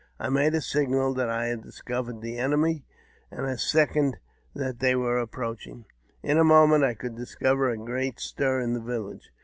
I made a signal that I had discovered the enemy, and a second that they were approaching. In a moment I could discover a great stir in the village.